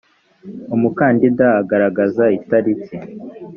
umukandida agaragaza itariki.